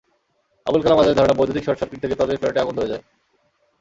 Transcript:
আবুল কালাম আজাদের ধারণা, বৈদ্যুতিক শর্ট সার্কিট থেকে তাঁদের ফ্ল্যাটে আগুন ধরে যায়।